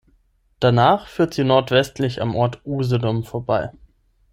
Danach führt sie nordwestlich am Ort Usedom vorbei.